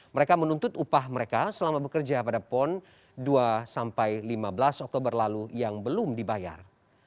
mereka menuntut upah mereka selama bekerja pada pon dua sampai lima belas oktober lalu yang belum dibayar